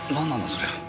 そりゃ。